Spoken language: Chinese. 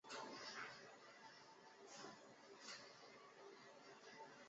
霍震寰也有少时海外求学的经历。